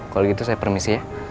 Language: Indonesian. kalau gitu saya permisi ya